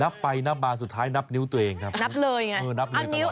นับไปนับมาสุดท้ายนับนิ้วตัวเองครับนับเลยไงเออนับเลยตลอด